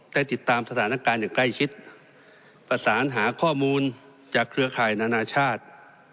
ได้ติดตามสถานการณ์อย่างใกล้ชิดประสานหาข้อมูลจากเครือข่ายนานาชาติ